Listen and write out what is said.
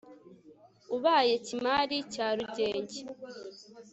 ubaye kimari cya rugenge